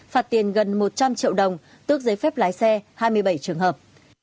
phạt tiền gần một trăm linh triệu đồng tước giấy phép lái xe hai mươi bảy trường hợp